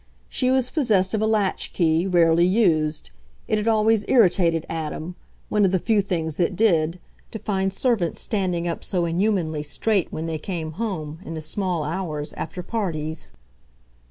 She was possessed of a latch key, rarely used: it had always irritated Adam one of the few things that did to find servants standing up so inhumanly straight when they came home, in the small hours, after parties.